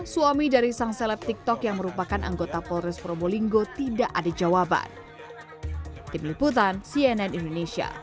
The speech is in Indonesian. suami dari sang seleb tiktok yang merupakan anggota polres probolinggo tidak ada jawaban